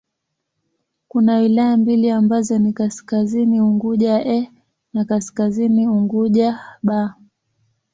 Kuna wilaya mbili ambazo ni Kaskazini Unguja 'A' na Kaskazini Unguja 'B'.